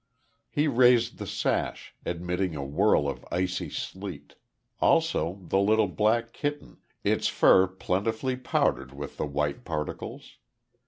He raised the sash, admitting a whirl of icy sleet, also the little black kitten, its fur plentifully powdered with the white particles.